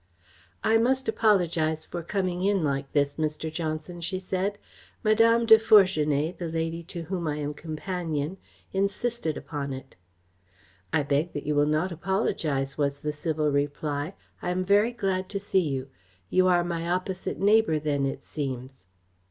"I must apologise for coming in like this, Mr. Johnson," she said. "Madame De Fourgenet, the lady to whom I am companion, insisted upon it." "I beg that you will not apologise," was the civil reply. "I am very glad to see you. You are my opposite neighbour then, it seems."